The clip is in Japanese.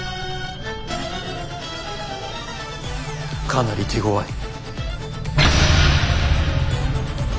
かなり手ごわい。